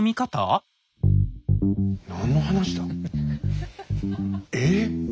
何の話だ。え？